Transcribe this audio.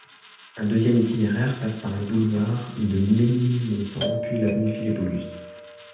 Un deuxième itinéraire passe par le boulevard de Ménilmontant puis l'avenue Philippe-Auguste.